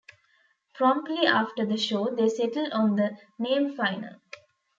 Promptly after the show they settled on the name Final.